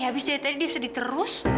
habis dari tadi dia sedih terus